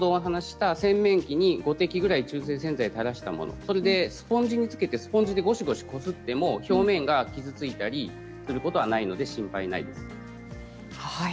洗面器に５滴ぐらい中性洗剤をたらしたものをスポンジにつけてゴシゴシこすっても表面が傷ついたりすることはないので、心配ないです。